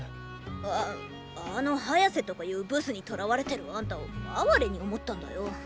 ああのハヤセとかいうブスに捕らわれてるアンタを哀れに思ったんだよ！